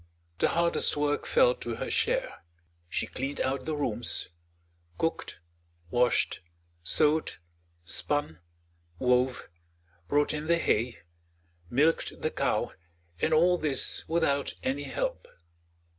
The hardest work fell to her share; she cleaned out the rooms, cooked, washed, sewed, spun, wove, brought in the hay, milked the cow, and all this without any help.